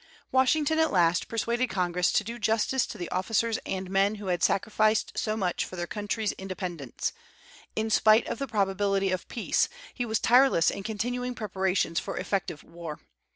Washington at last persuaded Congress to do justice to the officers and men who had sacrificed so much for their country's independence; in spite of the probability of peace, he was tireless in continuing preparations for effective war.